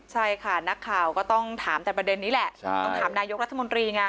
ใช่ค่ะนักข่าวก็ต้องถามแต่ประเด็นนี้แหละต้องถามนายกรัฐมนตรีไง